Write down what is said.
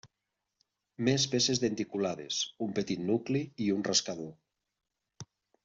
Més peces denticulades, un petit nucli i un rascador.